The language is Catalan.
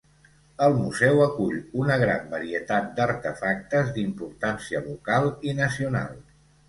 El museu acull una gran varietat d'artefactes d'importància local i nacional.